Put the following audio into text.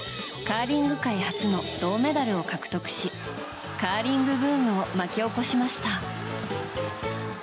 カーリング界初の銅メダルを獲得しカーリングブームを巻き起こしました。